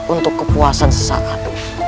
untuk kepuasan sesaat